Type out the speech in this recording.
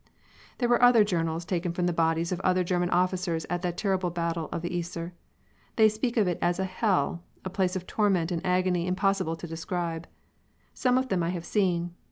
There were other journels taken from the bodies of other German officers at that terrible battle of the Yser. They speak of it as a "hell" a place of torment and agony impossible to describe. Some of them I have seen.